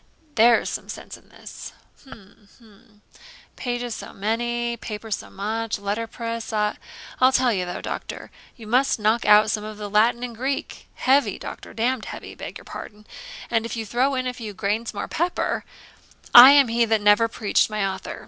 there's some sense in this. Hum hum hum pages so many, paper so much, letter press Ah I'll tell you, though, Doctor, you must knock out some of the Latin and Greek; heavy, Doctor, damn'd heavy (beg your pardon) and if you throw in a few grains more pepper I am he that never preached my author.